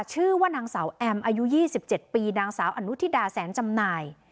ชื่อว่านางสาวแอมอายุยี่สิบเจ็ดปีนางสาวอนุธิดาแสนจำนาย